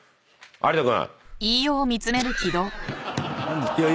有田君！